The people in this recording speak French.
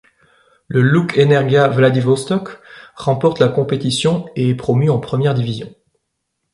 Le Luch-Energia Vladivostok remporte la compétition et est promu en première division.